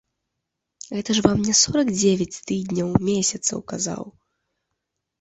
Гэта ж вам не сорак дзевяць тыдняў, месяцаў, казаў.